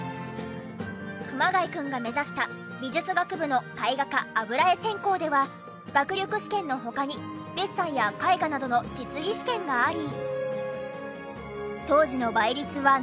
熊谷くんが目指した美術学部の絵画科油画専攻では学力試験の他にデッサンや絵画などの実技試験があり。